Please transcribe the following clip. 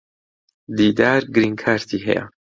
دیدار گرین کارتی ھەیە.